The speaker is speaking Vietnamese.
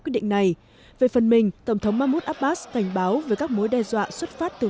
quyết định này về phần mình tổng thống mahmoud abbas cảnh báo về các mối đe dọa xuất phát từ